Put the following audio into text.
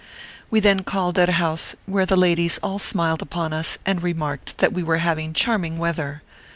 We then called at a house where the ladies all smiled upon us, and remarked that we were having charming weather.